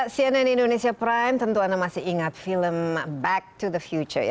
cnn indonesia prime tentu anda masih ingat film back to the future ya